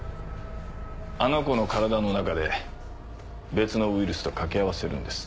あの子の体の中で別のウイルスと掛け合わせるんです。